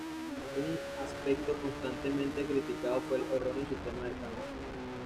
Un aspecto constantemente criticado fue el erróneo sistema de cámara.